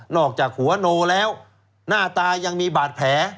อกจากหัวโนแล้วหน้าตายังมีบาดแผล